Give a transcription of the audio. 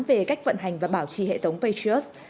về cách vận hành và bảo trì hệ thống patriot